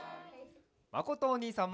まことおにいさんも！